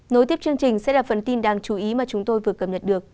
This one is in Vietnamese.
nối tiếp chương trình sẽ là phần tin đáng chú ý mà chúng tôi vừa cập nhật được